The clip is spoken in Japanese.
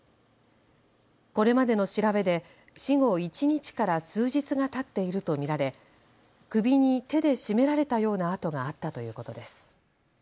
これまでの調べで死後一日から数日がたっていると見られ首に手で絞められたような痕があったということです。